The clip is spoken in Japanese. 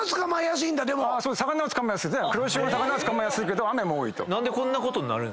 黒潮は魚捕まえやすいけど雨も多いと。